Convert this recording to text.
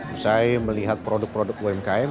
usai melihat produk produk umkm